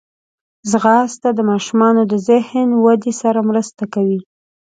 ځغاسته د ماشومانو د ذهن ودې سره مرسته کوي